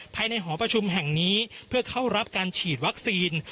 หอประชุมแห่งนี้เพื่อเข้ารับการฉีดวัคซีน